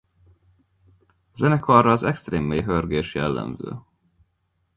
A zenekarra az extrém mély hörgés jellemző.